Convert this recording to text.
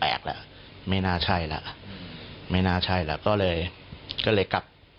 เอาฟังเสียงดูนะครับ